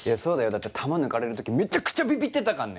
だって弾抜かれるときめちゃくちゃびびってたかんね。